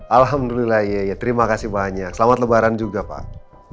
alhamdulillah ya terima kasih banyak selamat lebaran juga pak